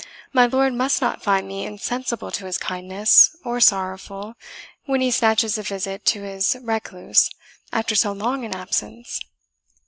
My lord must not find me insensible to his kindness, or sorrowful, when he snatches a visit to his recluse, after so long an absence.